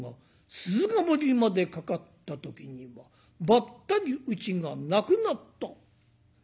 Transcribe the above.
鈴ヶ森までかかった時にはばったりうちがなくなった。